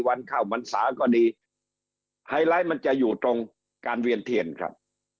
ข้าวมันสาก็ดีไฮไลท์มันจะอยู่ตรงการเวียนเทียนครับ